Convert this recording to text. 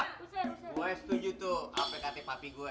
gue setuju tuh apik atik papi gue